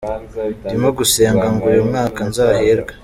Ndimo gusenga ngo uyu mwaka nzahirwe.